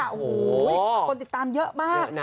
โอ้โหคนติดตามเยอะมาก